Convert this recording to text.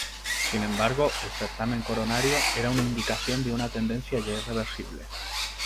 Sin embargo, el certamen coronario era una indicación de una tendencia ya irreversible.